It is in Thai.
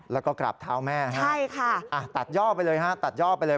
แล้วก็กราบเท้าแม่นะฮะใช่ค่ะตัดย่อไปเลยฮะตัดย่อไปเลย